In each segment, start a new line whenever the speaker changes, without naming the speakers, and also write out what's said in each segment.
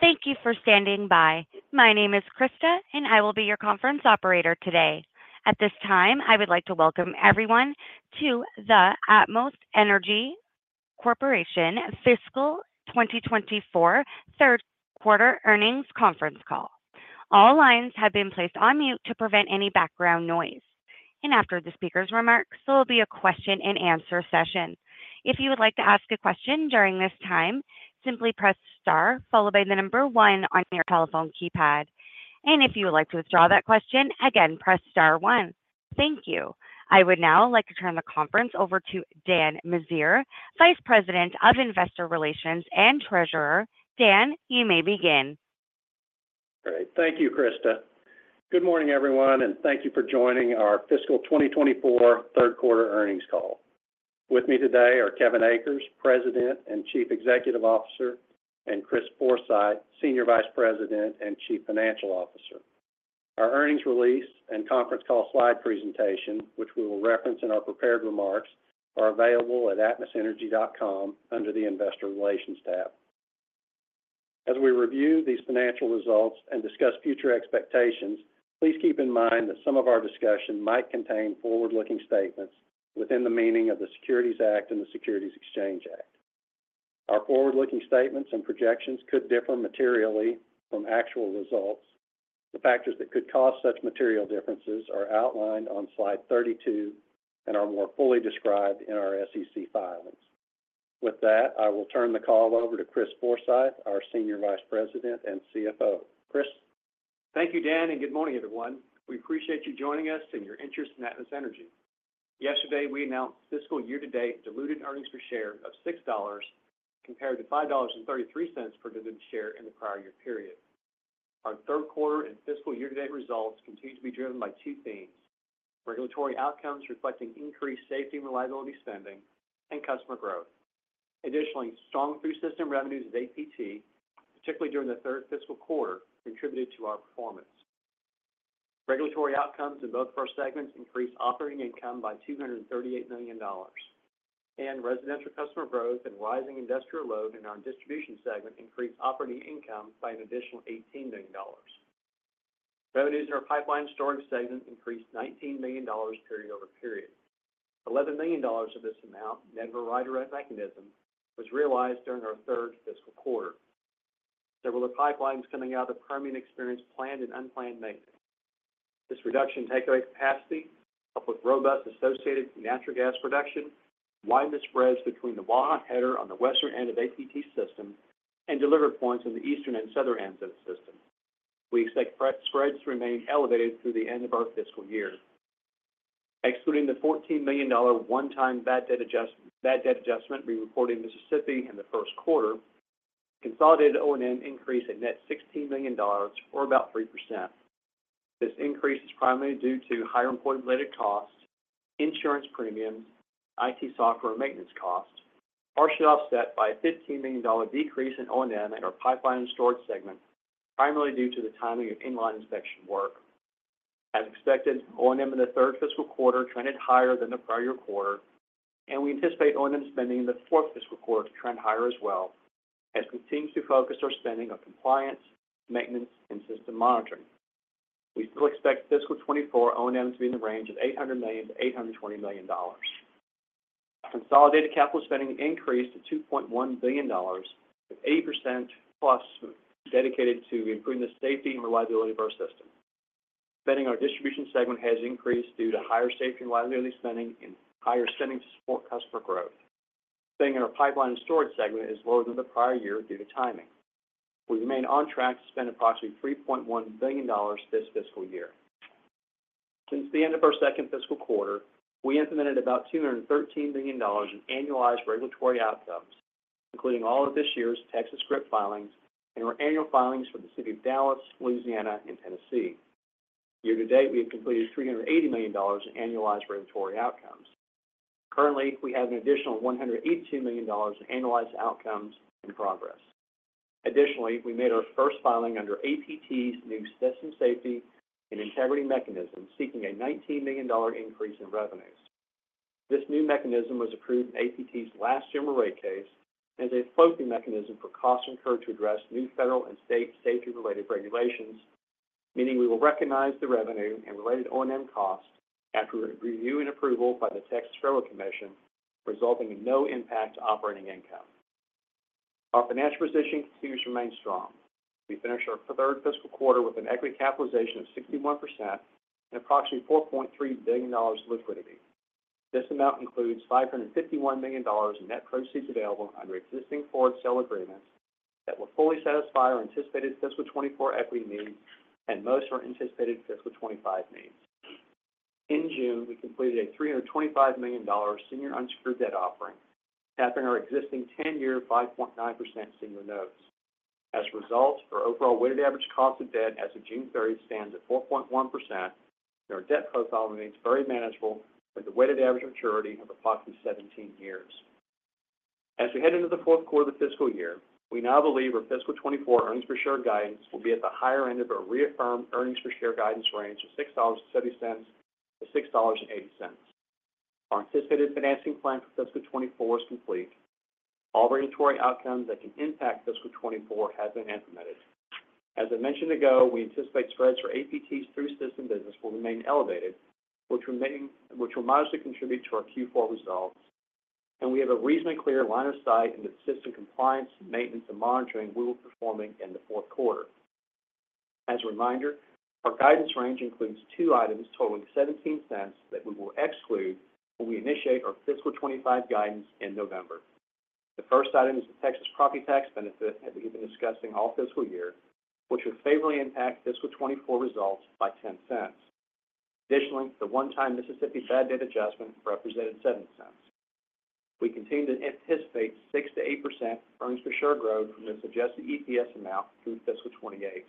Thank you for standing by. My name is Krista, and I will be your conference operator today. At this time, I would like to welcome everyone to the Atmos Energy Corporation Fiscal 2024 Q3 Earnings Conference Call. All lines have been placed on mute to prevent any background noise, and after the speaker's remarks, there will be a question-and-answer session. If you would like to ask a question during this time, simply press star followed by the number 1 on your telephone keypad. If you would like to withdraw that question again, press star 1. Thank you. I would now like to turn the conference over to Dan Meziere, Vice President of Investor Relations and Treasurer. Dan, you may begin.
Great. Thank you, Krista. Good morning, everyone, and thank you for joining our fiscal 2024 Q3 earnings call. With me today are Kevin Akers, President and Chief Executive Officer, and Chris Forsyth, Senior Vice President and Chief Financial Officer. Our earnings release and conference call slide presentation, which we will reference in our prepared remarks, are available at atmosenergy.com under the Investor Relations tab. As we review these financial results and discuss future expectations, please keep in mind that some of our discussion might contain forward-looking statements within the meaning of the Securities Act and the Securities Exchange Act. Our forward-looking statements and projections could differ materially from actual results. The factors that could cause such material differences are outlined on slide 32 and are more fully described in our SEC filings. With that, I will turn the call over to Chris Forsyth, our Senior Vice President and CFO. Chris?
Thank you, Dan, and good morning, everyone. We appreciate you joining us and your interest in Atmos Energy. Yesterday, we announced fiscal year-to-date diluted earnings per share of $6, compared to $5.33 per divided share in the prior year period. Our Q3 and fiscal year-to-date results continue to be driven by two themes: regulatory outcomes, reflecting increased safety and reliability spending and customer growth. Additionally, strong through system revenues at APT, particularly during the fiscal Q3, contributed to our performance. Regulatory outcomes in both of our segments increased operating income by $238 million, and residential customer growth and rising industrial load in our distribution segment increased operating income by an additional $18 million. Revenues in our pipeline storage segment increased $19 million period-over-period. $11 million of this amount, derived from the mechanism, was realized during our fiscal. Several of pipelines coming out of Permian experienced planned and unplanned maintenance. This reduction in takeaway capacity, coupled with robust associated natural gas production, widened the spreads between the Waha header on the western end of APT system and delivery points in the eastern and southern ends of the system. We expect spreads to remain elevated through the end of our fiscal year. Excluding the $14 million one-time bad debt adjustment we reported in Mississippi in the Q1, consolidated O&M increased by a net $16 million, or about 3%. This increase is primarily due to higher employee-related costs, insurance premiums, IT software, and maintenance costs, partially offset by a $15 million decrease in O&M at our pipeline storage segment, primarily due to the timing of inline inspection work. As expected, O&M in the fiscal Q3 trended higher than the prior year quarter, and we anticipate O&M spending in the fiscal Q4 to trend higher as well as we continue to focus our spending on compliance, maintenance, and system monitoring. We still expect fiscal 2024 O&M to be in the range of $800 million-$820 million. Consolidated capital spending increased to $2.1 billion, with 80%+ dedicated to improving the safety and reliability of our system. Spending our distribution segment has increased due to higher safety and reliability spending and higher spending to support customer growth. Spending in our pipeline and storage segment is lower than the prior year due to timing. We remain on track to spend approximately $3.1 billion this fiscal year. Since the end of our fiscal Q2, we implemented about $213 billion in annualized regulatory outcomes, including all of this year's GRIP filings and our annual filings for the City of Dallas, Louisiana, and Tennessee. Year to date, we have completed $380 million in annualized regulatory outcomes. Currently, we have an additional $182 million in annualized outcomes in progress. Additionally, we made our first filing under APT's new system safety and integrity mechanism, seeking a $19 million increase in revenues. This new mechanism was approved in APT's last general rate case as a floating mechanism for costs incurred to address new federal and state safety-related regulations, meaning we will recognize the revenue and related O&M costs after review and approval by the Railroad Commission of Texas, resulting in no impact to operating income. Our financial position continues to remain strong. We finished our fiscal Q3 with an equity capitalization of 61% and approximately $4.3 billion of liquidity. This amount includes $551 million in net proceeds available under existing forward sale agreements that will fully satisfy our anticipated fiscal 2024 equity needs and most of our anticipated fiscal 2025 needs. In June, we completed a $325 million senior unsecured debt offering, tapping our existing 10-year, 5.9% senior notes. As a result, our overall weighted average cost of debt as of June 30 stands at 4.1%, and our debt profile remains very manageable, with a weighted average maturity of approximately 17 years. As we head into the Q4 of the fiscal year, we now believe our fiscal 2024 earnings per share guidance will be at the higher end of our reaffirmed earnings per share guidance range of $6.70-$6.80. Our anticipated financing plan for fiscal 2024 is complete. All regulatory outcomes that can impact fiscal 2024 have been implemented. As I mentioned ago, we anticipate spreads for APT's through system business will remain elevated, which will modestly contribute to our Q4 results. We have a reasonably clear line of sight into the system compliance, maintenance, and monitoring we will be performing in the Q4. As a reminder, our guidance range includes two items totaling $0.17 that we will exclude when we initiate our fiscal 2025 guidance in November. The first item is the Texas property tax benefit that we've been discussing all fiscal year, which would favorably impact fiscal 2024 results by $0.10. Additionally, the one-time Mississippi bad debt adjustment represented $0.07. We continue to anticipate 6%-8% earnings per share growth from the adjusted EPS amount through fiscal 2028.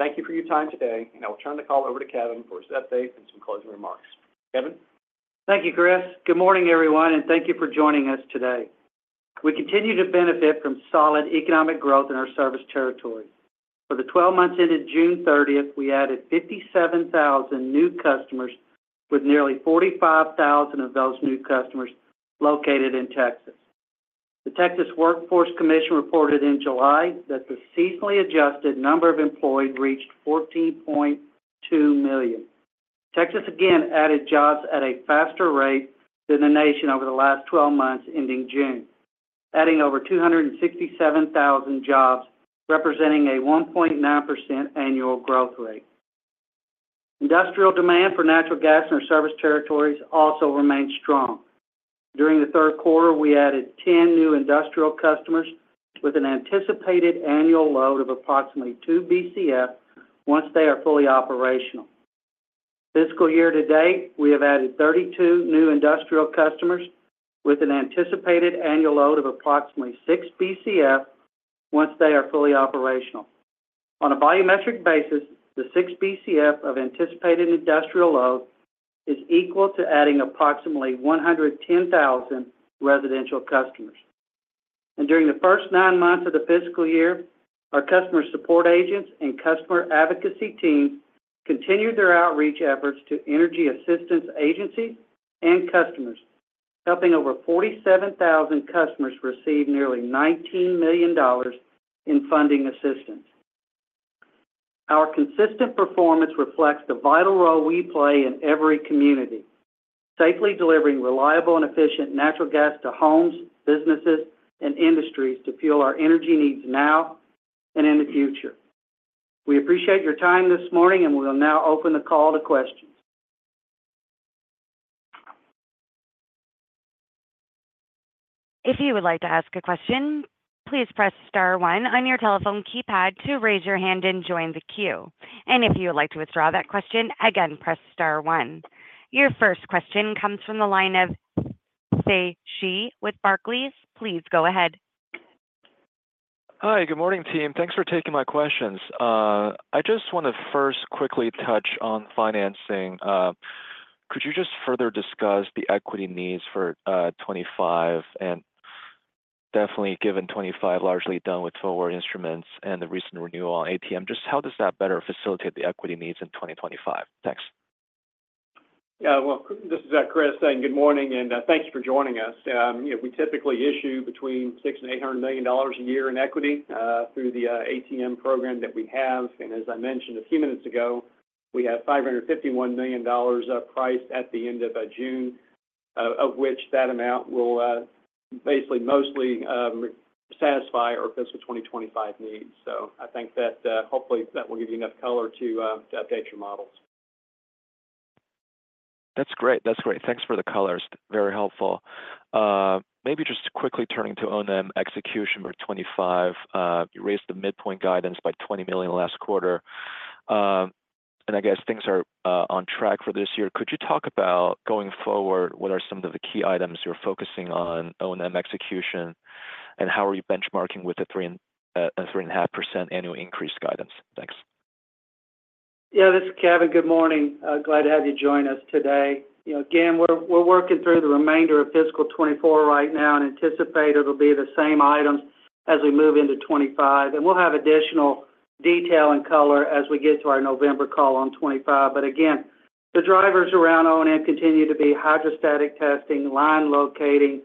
Thank you for your time today, and I will turn the call over to Kevin for his update and some closing remarks. Kevin?
Thank you, Chris. Good morning, everyone, and thank you for joining us today. We continue to benefit from solid economic growth in our service territory. For the 12 months ended June 30, we added 57,000 new customers, with nearly 45,000 of those new customers located in Texas. The Texas Workforce Commission reported in July that the seasonally adjusted number of employed reached 14.2 million. Texas again added jobs at a faster rate than the nation over the last 12 months, ending June, adding over 267,000 jobs, representing a 1.9% annual growth rate. Industrial demand for natural gas in our service territories also remains strong. During the Q3, we added 10 new industrial customers with an anticipated annual load of approximately 2 Bcf once they are fully operational. Fiscal year to date, we have added 32 new industrial customers with an anticipated annual load of approximately 6 BCF once they are fully operational. On a volumetric basis, the 6 BCF of anticipated industrial load is equal to adding approximately 110,000 residential customers. During the first 9 months of the fiscal year, our customer support agents and customer advocacy teams continued their outreach efforts to energy assistance agencies and customers, helping over 47,000 customers receive nearly $19 million in funding assistance. Our consistent performance reflects the vital role we play in every community, safely delivering reliable and efficient natural gas to homes, businesses, and industries to fuel our energy needs now and in the future. We appreciate your time this morning, and we will now open the call to questions.
If you would like to ask a question, please press star one on your telephone keypad to raise your hand and join the queue. And if you would like to withdraw that question again, press star one. Your first question comes from the line of Sei Shi with Barclays. Please go ahead.
Hi, good morning, team. Thanks for taking my questions. I just want to first quickly touch on financing. Could you just further discuss the equity needs for 25? And definitely, given 25, largely done with forward instruments and the recent renewal on ATM, just how does that better facilitate the equity needs in 2025? Thanks.
Yeah, well, this is Chris. Good morning, and thanks for joining us. You know, we typically issue between $600 million and $800 million a year in equity through the ATM program that we have. And as I mentioned a few minutes ago, we have $551 million priced at the end of June, of which that amount will basically mostly satisfy our fiscal 2025 needs. So I think that, hopefully, that will give you enough color to update your models.
That's great. That's great. Thanks for the colors. Very helpful. Maybe just quickly turning to O&M execution for 2025. You raised the midpoint guidance by $20 million last quarter. I guess things are on track for this year. Could you talk about, going forward, what are some of the key items you're focusing on O&M execution, and how are you benchmarking with the 3% and 3.5% annual increase guidance? Thanks.
Yeah, this is Kevin. Good morning. Glad to have you join us today. You know, again, we're, we're working through the remainder of fiscal 2024 right now and anticipate it'll be the same items as we move into 2025. And we'll have additional detail and color as we get to our November call on 2025. But again, the drivers around O&M continue to be hydrostatic testing, line locating,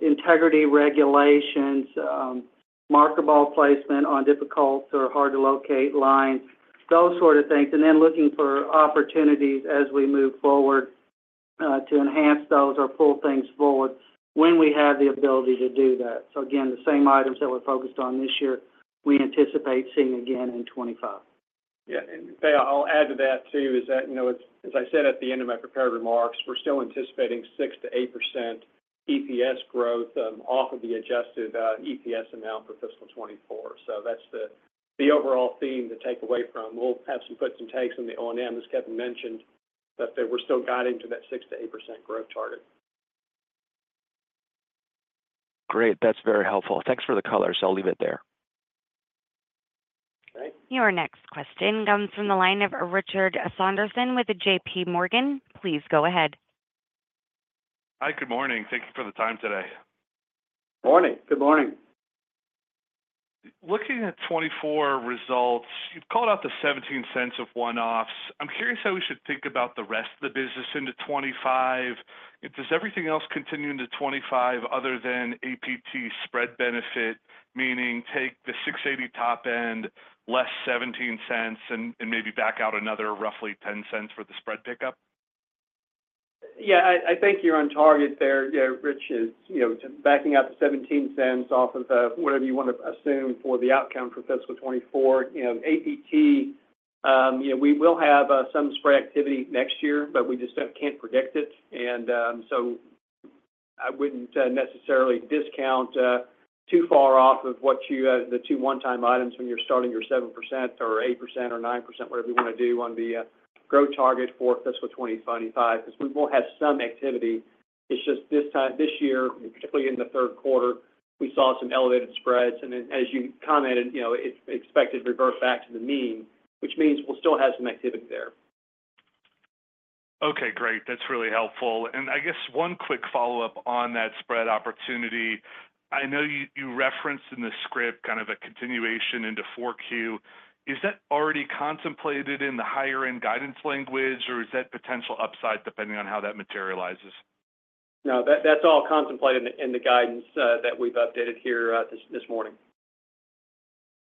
integrity regulations, marker ball placement on difficult or hard-to-locate lines, those sort of things, and then looking for opportunities as we move forward, to enhance those or pull things forward when we have the ability to do that. So again, the same items that we're focused on this year, we anticipate seeing again in 2025.
Yeah, and Sei, I'll add to that, too, is that, you know, as, as I said at the end of my prepared remarks, we're still anticipating 6%-8% EPS growth off of the adjusted EPS amount for fiscal 2024. So that's the overall theme to take away from. We'll have some puts and takes on the O&M, as Kevin mentioned, but that we're still guiding to that 6%-8% growth target.
Great. That's very helpful. Thanks for the colors. I'll leave it there.
Great.
Your next question comes from the line of Richard Sunderland with J.P. Morgan. Please go ahead.
Hi, good morning. Thank you for the time today.
Morning. Good morning. ...
Looking at 2024 results, you've called out the $0.17 of one-offs. I'm curious how we should think about the rest of the business into 2025. If does everything else continue into 2025 other than APT spread benefit, meaning take the $6.80 top end, less $0.17, and maybe back out another roughly $0.10 for the spread pickup?
Yeah, I think you're on target there. Yeah, Rich, you know, backing out the $0.17 off of whatever you wanna assume for the outcome for fiscal 2024. You know, APT, you know, we will have some spread activity next year, but we just can't predict it. And so I wouldn't necessarily discount too far off of what you the two one-time items when you're starting your 7% or 8% or 9%, whatever you wanna do on the growth target for fiscal 2025, because we will have some activity. It's just this year, particularly in the Q3, we saw some elevated spreads. And then as you commented, you know, it's expected to reverse back to the mean, which means we'll still have some activity there.
Okay, great. That's really helpful. And I guess one quick follow-up on that spread opportunity. I know you, you referenced in the script kind of a continuation into 4Q. Is that already contemplated in the higher end guidance language, or is that potential upside, depending on how that materializes?
No, that's all contemplated in the guidance that we've updated here this morning.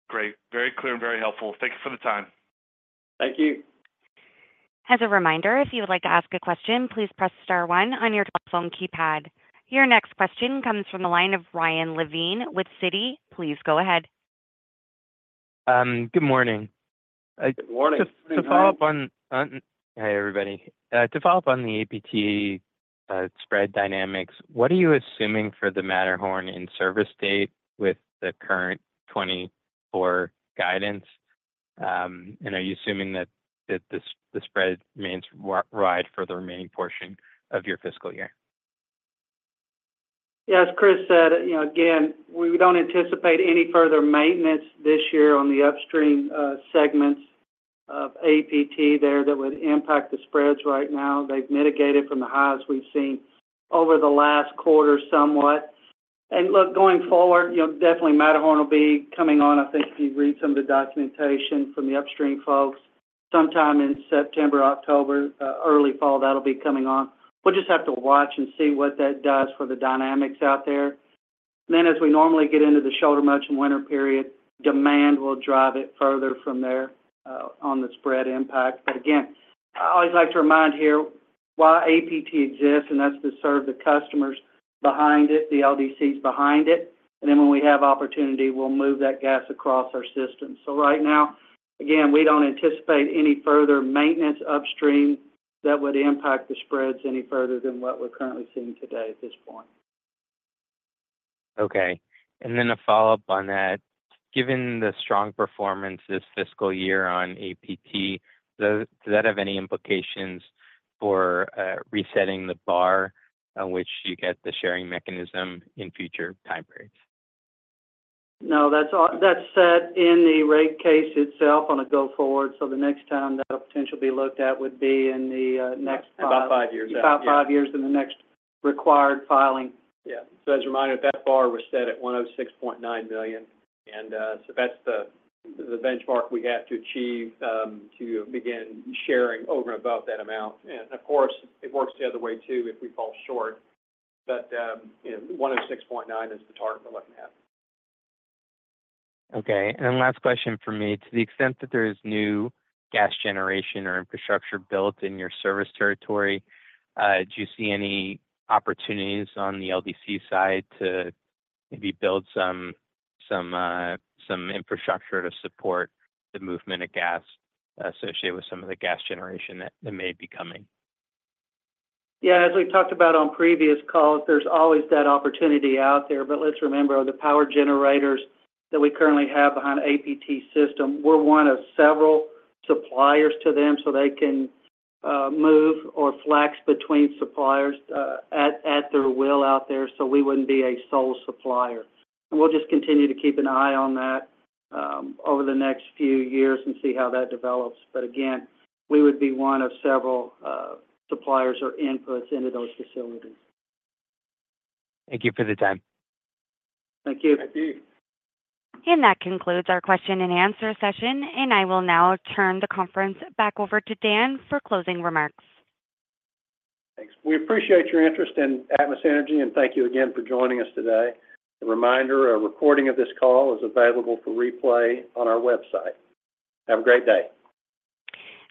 Great. Very clear and very helpful. Thank you for the time.
Thank you.
As a reminder, if you would like to ask a question, please press star one on your telephone keypad. Your next question comes from the line of Ryan Levine with Citi. Please go ahead.
Good morning.
Good morning.
Just to follow up on... hi, everybody. To follow up on the APT spread dynamics, what are you assuming for the Matterhorn in-service date with the current 2024 guidance? And are you assuming that the spread remains wide for the remaining portion of your fiscal year?
Yeah, as Chris said, you know, again, we don't anticipate any further maintenance this year on the upstream, segments of APT there that would impact the spreads right now. They've mitigated from the highs we've seen over the last quarter somewhat. And look, going forward, you know, definitely Matterhorn will be coming on. I think if you read some of the documentation from the upstream folks, sometime in September, October, early fall, that'll be coming on. We'll just have to watch and see what that does for the dynamics out there. Then, as we normally get into the shoulder motion winter period, demand will drive it further from there, on the spread impact. But again, I always like to remind here why APT exists, and that's to serve the customers behind it, the LDCs behind it. And then when we have opportunity, we'll move that gas across our system. So right now, again, we don't anticipate any further maintenance upstream that would impact the spreads any further than what we're currently seeing today at this point.
Okay. And then a follow-up on that. Given the strong performance this fiscal year on APT, does, does that have any implications for resetting the bar on which you get the sharing mechanism in future time frames?
No, that's all. That's set in the rate case itself on a go forward. So the next time that'll potentially be looked at would be in the next-
About five years.
About five years in the next required filing.
Yeah. So as a reminder, that bar was set at $106.9 million, and so that's the benchmark we have to achieve to begin sharing over and above that amount. And of course, it works the other way, too, if we fall short. But you know, $106.9 million is the target we're looking at.
Okay. Last question for me. To the extent that there is new gas generation or infrastructure built in your service territory, do you see any opportunities on the LDC side to maybe build some infrastructure to support the movement of gas associated with some of the gas generation that may be coming?
Yeah, as we've talked about on previous calls, there's always that opportunity out there. But let's remember, the power generators that we currently have behind APT system, we're one of several suppliers to them, so they can move or flex between suppliers at their will out there, so we wouldn't be a sole supplier. We'll just continue to keep an eye on that over the next few years and see how that develops. But again, we would be one of several suppliers or inputs into those facilities.
Thank you for the time.
Thank you.
Thank you.
That concludes our question and answer session, and I will now turn the conference back over to Dan for closing remarks.
Thanks. We appreciate your interest in Atmos Energy, and thank you again for joining us today. A reminder, a recording of this call is available for replay on our website. Have a great day.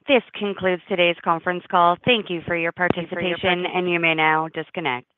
This concludes today's conference call. Thank you for your participation, and you may now disconnect.